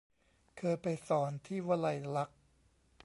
เคยไปสอนที่วลัยลักษณ์